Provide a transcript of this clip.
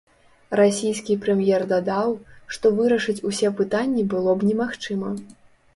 Расійскі прэм'ер дадаў, што вырашыць усе пытанні было б немагчыма.